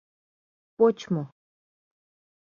— Почмо.